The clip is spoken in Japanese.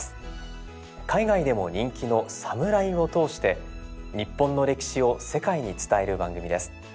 海外でも人気の「サムライ」を通して日本の歴史を世界に伝える番組です。